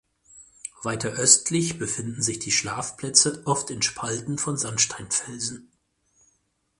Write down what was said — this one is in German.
Weiter östlich befinden sich die Schlafplätze oft in Spalten von Sandsteinfelsen.